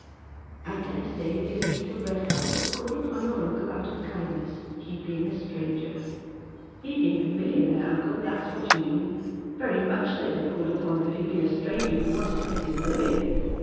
" I dare say the elite of Redcastle called upon yom* uncle out of kindness, he being a Btranger," " He being a millionaire, uncle, that's what you mean. Very much they'd have called upon him if he'd been a stranger who wanted to get his living.